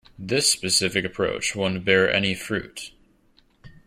This specific approach won't bear any fruit.